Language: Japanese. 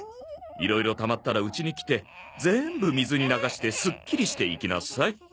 いろいろたまったらうちに来て全部水に流してスッキリしていきなさい。